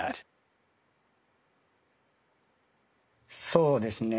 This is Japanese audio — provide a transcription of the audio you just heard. そうですね